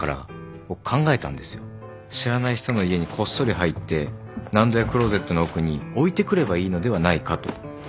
知らない人の家にこっそり入って納戸やクローゼットの奥に置いてくればいいのではないかと。